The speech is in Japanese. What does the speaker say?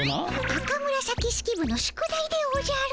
赤紫式部の宿題でおじゃる。